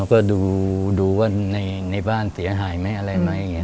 ก็ดูว่าในบ้านเสียหายไหมไหม